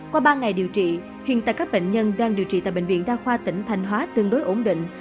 qua ba ngày điều trị hiện tại các bệnh nhân đang điều trị tại bệnh viện đa khoa tỉnh thanh hóa tương đối ổn định